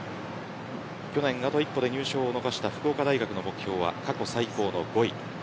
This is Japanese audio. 去年は一歩で入賞を逃した福岡大学の目標は過去最高の５位。